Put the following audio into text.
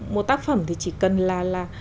một tác phẩm thì chỉ cần là